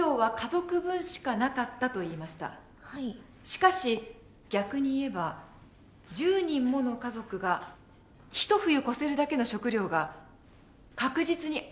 しかし逆に言えば１０人もの家族が一冬越せるだけの食料が確実にあった訳だ。